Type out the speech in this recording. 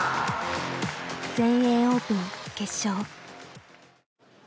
全英オープン決勝。